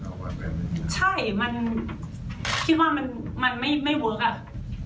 ใช่มันคิดว่ามันไม่เวิร์ค